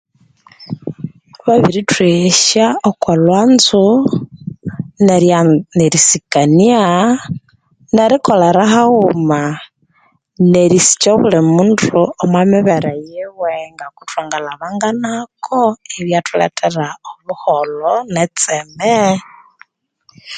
Babirithweghesya okwa lhwanzo, nerya nerisikania, nerikolera haghuma nerisikya obuli mundu omwa mibere yiwe ngoku thwangalhabanganako ibyathulethera obuholho ne tseme.